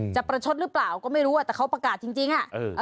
ประชดหรือเปล่าก็ไม่รู้แต่เขาประกาศจริงอ่ะ